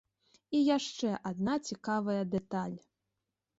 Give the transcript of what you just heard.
І яшчэ адна цікавая дэталь.